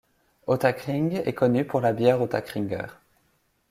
Ottakring est connu pour la bière Ottakringer.